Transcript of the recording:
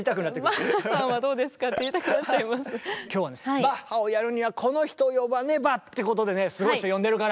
バッハをやるにはこの人を呼ばねば！ってことでねすごい人呼んでるから。